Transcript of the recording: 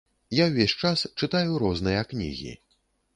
Я ўвесь час чытаю розныя кнігі.